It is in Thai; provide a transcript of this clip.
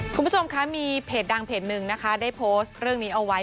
คุณผู้ชมคะมีเพจดังเพจหนึ่งนะคะได้โพสต์เรื่องนี้เอาไว้